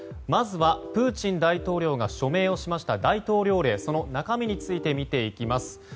まずはプーチン大統領が署名をしました大統領令、その中身について見ていきます。